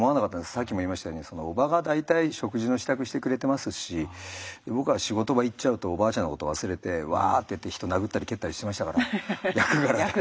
さっきも言いましたように叔母が大体食事の支度してくれてますし僕は仕事場行っちゃうとおばあちゃんのこと忘れてわっていって人殴ったり蹴ったりしてましたから役柄で。